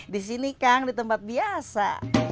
di sini kang di tempat biasa